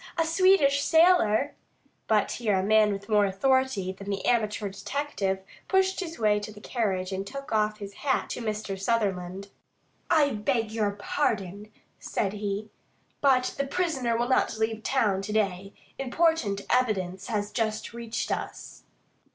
A Swedish sailor " But here a man with more authority than the amateur detective pushed his way to the carriage and took off his hat to Mr. Sutherland. "I beg your pardon," said he, "but the prisoner will not leave town to day. Important evidence has just reached us."